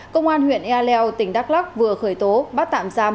công an huyện e leo tỉnh đắk lắc vừa khởi tố bắt tạm giam